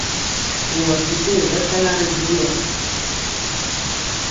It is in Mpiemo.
Wɔɔ ti senjɔ tatala ri bulɔ.